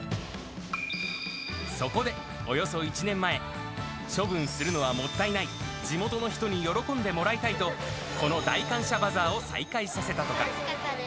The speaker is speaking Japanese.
そこで、およそ１年前、処分するのはもったいない、地元の人に喜んでもらいたいと、この大感謝バザーを再開させたとか。